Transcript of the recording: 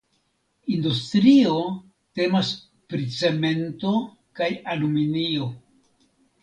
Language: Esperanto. Industrio temas pri cemento kaj aluminio.